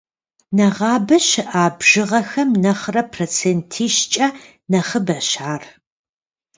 Нэгъабэ щыӏа бжыгъэхэм нэхърэ процентищкӏэ нэхъыбэщ ар.